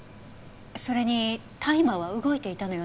それにタイマーは動いていたのよね。